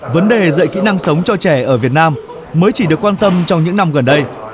vấn đề dạy kỹ năng sống cho trẻ ở việt nam mới chỉ được quan tâm trong những năm gần đây